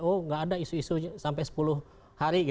oh nggak ada isu isu sampai sepuluh hari